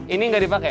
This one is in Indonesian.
ini tidak dipakai